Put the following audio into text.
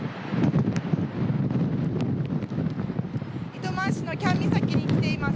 糸満市の喜屋武岬に来ています。